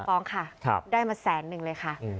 ฟ้องค่ะได้มาแสนนึงเลยค่ะ